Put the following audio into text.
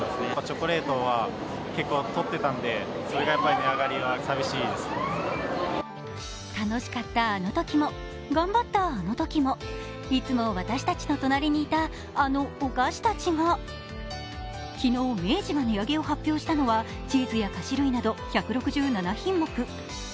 楽しかったあのときも、頑張ったあのときもいつも私たちの隣にいたあのお菓子たちが昨日明治が値上げを発表したのはチーズや菓子類など１６７品目。